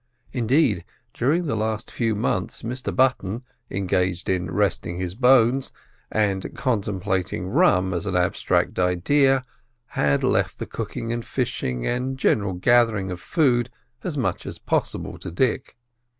Indeed, during the last few months Mr Button, engaged in resting his bones, and contemplating rum as an abstract idea, had left the cooking and fishing and general gathering of food as much as possible to Dick.